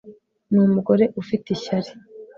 Ni umugore ufite ishyari